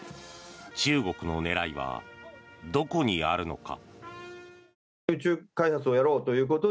中国の狙いはどこにあるのか？